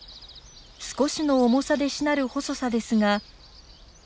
少しの重さでしなる細さですが。